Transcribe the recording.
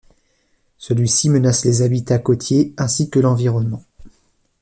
Celui-ci menace les habitats côtiers ainsi que l'environnement.